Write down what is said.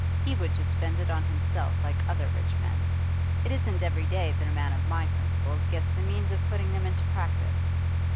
He would just spend it on himself, like other rich men. It isn't every day that a man of my principles gets the means of putting them into practice.